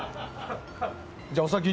じゃあ、お先に。